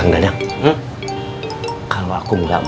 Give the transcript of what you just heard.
ini juga nggak udah bagi emas